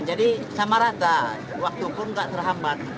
jadi sama rata waktu pun nggak terhambat